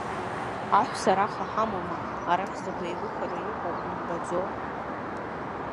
Аҳәса раха ҳамоума, арахь закә еилыхароу иҟоу умбаӡо!